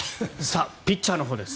ピッチャーのほうです。